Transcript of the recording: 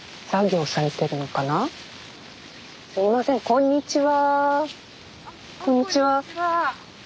こんにちは。